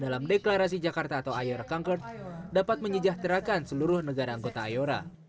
dalam deklarasi jakarta atau iora convert dapat menyejahterakan seluruh negara anggota iora